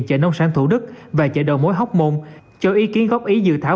chợ nông sản thủ đức và chợ đầu mối hóc môn cho ý kiến góp ý dự thảo